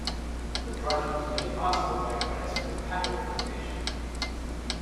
The project was made possible by grants from the Packard Foundation.